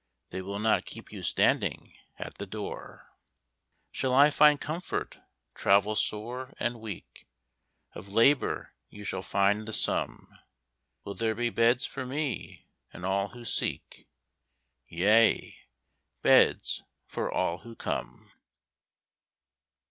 They will not keep you standing at that door. Shall I find comfort, travel sore and weak? Of labor you shall find the sum. Will there be beds for me and all who seek? Yea, beds for all who come.